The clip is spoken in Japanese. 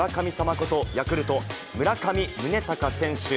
こと、ヤクルト、村上宗隆選手。